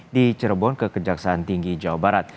di cirebon ke kejaksaan tinggi jawa barat